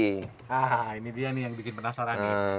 nah ini dia nih yang bikin penasaran